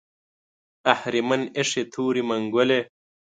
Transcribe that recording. اهریمن ایښې تورې منګولې